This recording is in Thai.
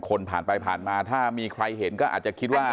ผ่านไปผ่านมาถ้ามีใครเห็นก็อาจจะคิดว่า